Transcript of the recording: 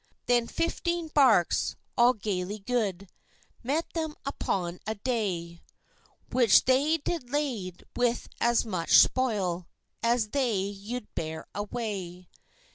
Then fifteen barks, all gaily good, Met them upon a day, Which they did lade with as much spoil As they you'd bear away.